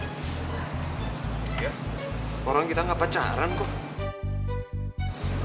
iya orang kita gak pacaran kok